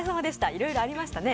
いろいろありましたね。